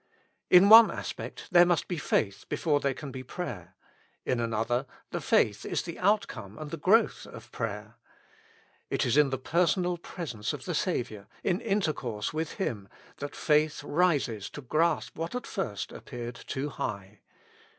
In one aspect there must be faith before there can be prayer ; in another the faith is the outcome and the growth of prayer. It is in the personal presence of the Saviour, in intercourse with Him, that faith rises to grasp what at first appeared too high.